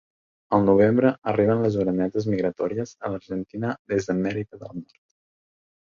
Al novembre, arriben les orenetes migratòries a l'Argentina des d'Amèrica del Nord.